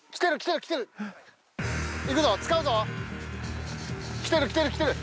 いくぞ使うぞ。来てる来てる来てる。